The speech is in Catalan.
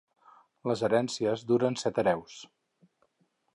Les herències duren set hereus.